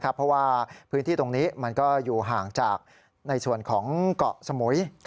เพราะว่าพื้นที่ตรงนี้มันก็อยู่ห่างจากในส่วนของเกาะสมุย